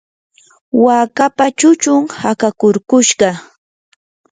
wakapa chuchun hakakurkushqa.